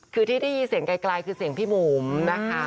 คือที่ได้ยินเสียงไกลคือเสียงพี่บุ๋มนะคะ